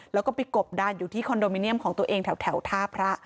แล้วก็ไปกบดานอยู่ที่คอนโดมิเนียมของตัวเองแถวท่าพระ